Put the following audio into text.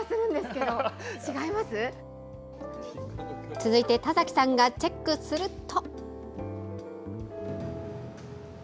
続いて、田崎さんがチェックすると。